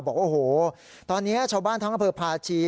บอกว่าโอ้โหตอนนี้ชาวบ้านทางอเผอร์พลาชี